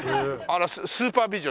スーパー美女。